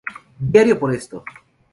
Diario Por Esto!